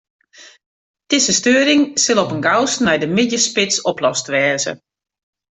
Dizze steuring sil op 'en gausten nei de middeisspits oplost wêze.